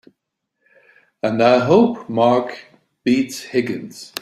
And I hope Mark beats Higgins!